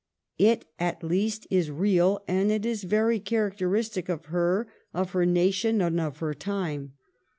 It at least is real, and it is very characteristic of her, of her nation, and of her time.